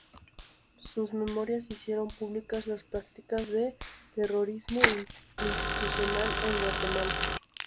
Sus memorias hicieron públicas las prácticas de terrorismo institucional en Guatemala.